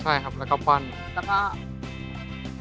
ใช่ครับแล้วก็ควันแล้วก็